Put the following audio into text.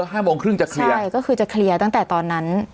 ห้าโมงครึ่งจะเคลียร์ใช่ก็คือจะเคลียร์ตั้งแต่ตอนนั้น